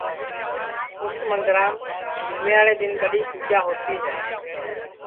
اُس مندرام جومیاڑے دؔن ٻڈؔی پُوجا ہوتی ہے